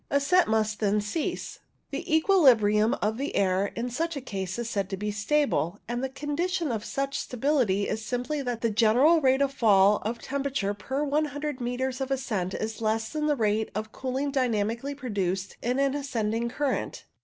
Ascent must then cease. The equilibrium of the air in such a case is said to be stable, and the condition of such stability is simply that the general rate of fall of temperature per lOO metres of ascent is less than the rate of cooling dynamically produced in an ascending current.